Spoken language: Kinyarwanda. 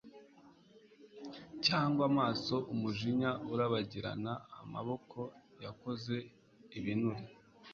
Cyangwa amaso umujinya urabagirana amaboko yakoze ibinure